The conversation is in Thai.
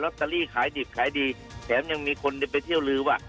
ตอรี่ขายดิบขายดีแถมยังมีคนไปเที่ยวลือว่า